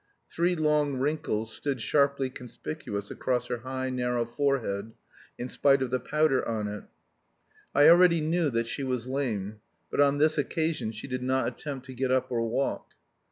Three long wrinkles stood sharply conspicuous across her high, narrow forehead in spite of the powder on it. I already knew that she was lame, but on this occasion she did not attempt to get up or walk.